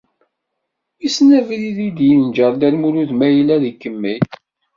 Wissen abrid id-yenǧer Dda Lmulud ma yella ad ikemmel?